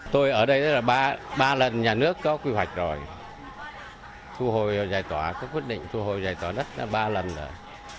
tôi ở đây là ba lần nhà nước có quy hoạch rồi thu hồi giải tỏa có quyết định thu hồi giải tỏa đất ba lần rồi